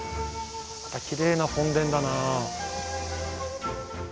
きれいな本殿だな。